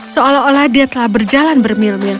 seolah olah dia telah berjalan bermilmir